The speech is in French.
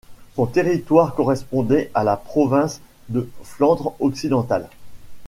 Son territoire correspondait à la province de Flandre-Occidentale.